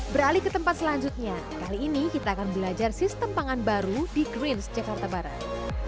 beralih ke tempat selanjutnya kali ini kita akan belajar sistem pangan baru di greens jakarta barat